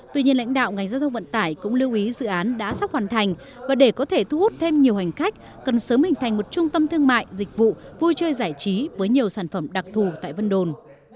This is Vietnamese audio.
tuy nhiên lãnh đạo ngành giao thông vận tải cũng lưu ý dự án đã sắp hoàn thành và để có thể thu hút thêm nhiều hành khách cần sớm hình thành một trung tâm thương mại dịch vụ vui chơi giải trí với nhiều sản phẩm đặc thù tại vân đồn